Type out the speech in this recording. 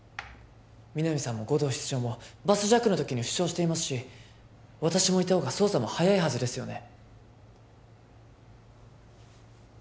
皆実さんも護道室長もバスジャックの時に負傷していますし私もいた方が捜査も早いはずですよね